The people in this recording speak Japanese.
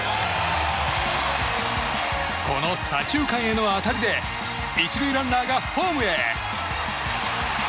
この左中間への当たりで１塁ランナーがホームへ！